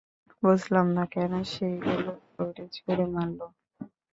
বুঝলাম না কেন সে এগুলো ফ্লোরে ছুড়ে মারল!